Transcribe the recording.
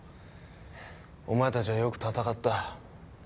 お前たちはよく闘った。